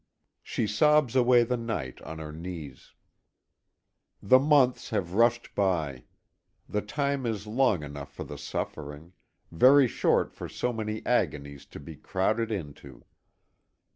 She sobs away the night on her knees. The months have rushed by. The time is long enough for the suffering very short for so many agonies to be crowded into.